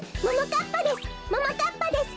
ちぃかっぱです。